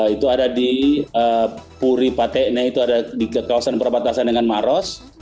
itu ada di puri patekne itu ada di kawasan perbatasan dengan maros